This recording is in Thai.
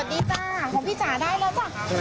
ดีจ้าของพี่จ๋าได้แล้วจ้ะ